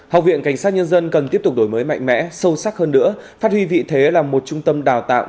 học viện cảnh sát nhân dân cần tiếp tục đổi mới mạnh mẽ sâu sắc hơn nữa phát huy vị thế là một trung tâm đào tạo